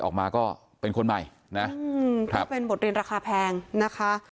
ออกมาก็เป็นคนใหม่นะก็เป็นบทเรียนราคาแพงนะคะ